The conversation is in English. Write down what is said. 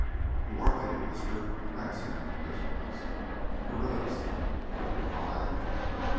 "Who are they?" he whispered, glancing at the prisoners. "Guerrillas," Drew replied.